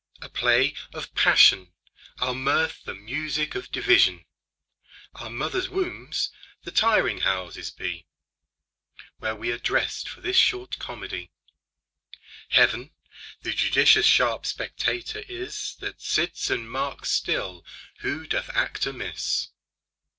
A play of passion, Our mirth the music of division, Our mother's wombs the tiring houses be, Where we are dressed for this short comedy. Heaven the judicious sharp spectator is, That sits and marks still who doth act amiss.